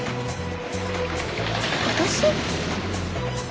私？